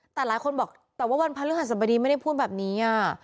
แต่หลายคนบอกแต่ว่าวันพระฤหัสบดีไม่ได้พูดแบบนี้